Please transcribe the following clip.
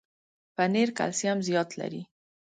پنېر کلسیم زیات لري.